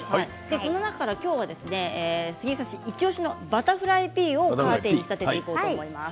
この中から杉井さんイチおしのバタフライピーをカーテンに仕立てていきます。